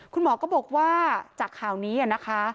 คุณหมอก็บอกว่าจากข่าวนี้นะคะ